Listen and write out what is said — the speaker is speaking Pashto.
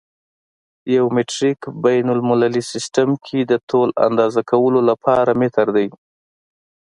په مټریک بین المللي سیسټم کې د طول اندازه کولو لپاره متر دی.